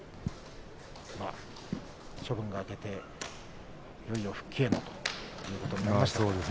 処分が明けて土俵への復帰ということになりました。